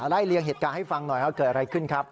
เลี่ยงเหตุการณ์ให้ฟังหน่อยเกิดอะไรขึ้นครับ